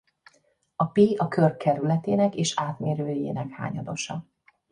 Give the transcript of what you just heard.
A Pi a kör kerületének és átmérőjének hányadosa.